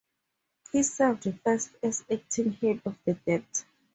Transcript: He served first as acting head of the Dept.